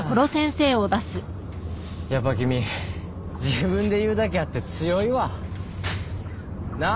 やっぱキミ自分で言うだけあって強いわなあ